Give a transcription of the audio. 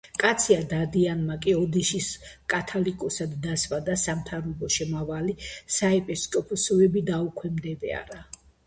კაცია დადიანმა კი ოდიშის კათოლიკოსად დასვა და სამთავროში შემავალი საეპისკოპოსოები დაუქვემდებარა.